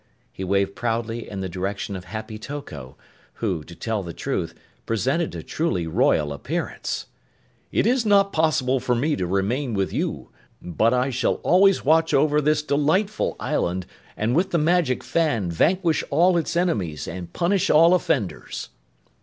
He waved proudly in the direction of Happy Toko, who, to tell the truth, presented a truly royal appearance. "It is not possible for me to remain with you, but I shall always watch over this delightful island and with the magic fan vanquish all its enemies and punish all offenders."